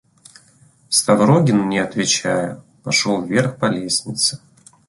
Ставрогин, не отвечая, пошел вверх по лестнице.